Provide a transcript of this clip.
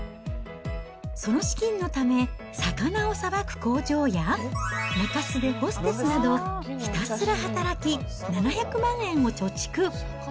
その資金のため、魚をさばく工場や、中洲でホステスなどひたすら働き、７００万円を貯蓄。